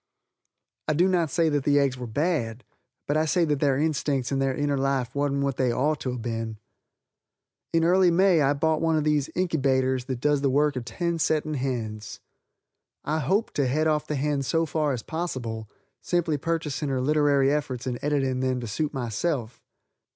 I do not say that the eggs were bad, but I say that their instincts and their inner life wasn't what they ort to have been. In early May I bought one of these inkybaters that does the work of ten setting hens. I hoped to head off the hen so far as possible, simply purchasing her literary efforts and editing them to suit myself.